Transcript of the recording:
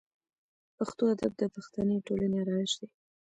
پښتو ادب د پښتني ټولنې آرایش دی.